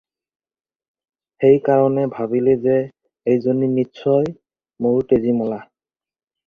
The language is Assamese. সেই কাৰণে ভাবিলে যে- "এইজনী নিশ্চয় মোৰ তেজীমলা।"